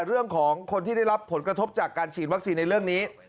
เรื่องของคนที่ได้รับผลกระทบจากการฉีดวัคซีนในเรื่องนี้